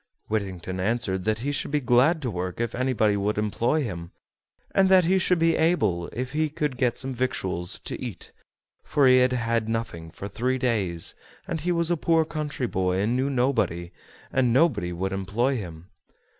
Whittington answered that he should be glad to work if anybody would employ him, and that he should be able if he could get some victuals to eat, for he had had nothing for three days, and he was a poor country boy, and knew nobody, and nobody would employ him.